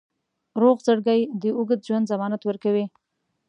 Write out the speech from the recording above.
روغ زړګی د اوږد ژوند ضمانت ورکوي.